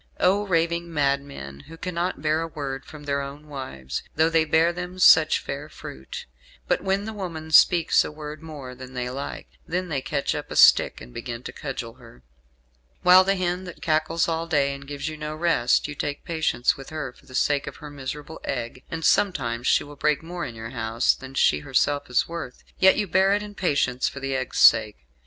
Oh, raving madmen! who cannot bear a word from their own wives, though they bear them such fair fruit; but when the woman speaks a word more than they like, then they catch up a stick, and begin to cudgel her; while the hen that cackles all day, and gives you no rest, you take patience with her for the sake of her miserable egg and sometimes she will break more in your house than she herself is worth, yet you bear it in patience for the egg's sake.